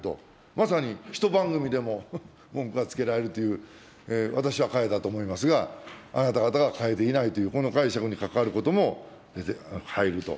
まさに１番組でも文句がつけられるという、私は変えたと思いますが、あなた方が変えていないという、この解釈に関わることも入ると。